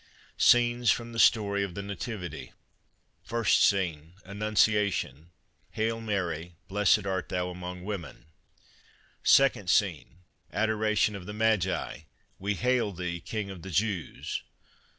Scan's from 1hc Story of the Nativity. 1st Scene.— Annunciation : Hail Mary! Blessed art thou among' women ! 2nd Scene. — Adoration of the Magi : We hail Thee. King of the Jews.